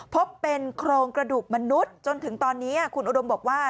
พบเป็นโครงกระดูกมนุษย์จนถึงตอนนี้คุณอุดมบอกว่า